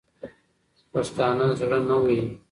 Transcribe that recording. پښتانه زړه نه وهي.